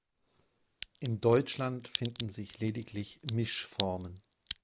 In Deutschland finden sich lediglich Mischformen.